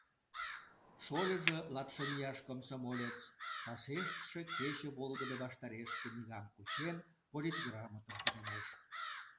Шольыжо, латшым ияш комсомолец, касештше кече волгыдо ваштареш книгам кучен, политграмотым тунемеш.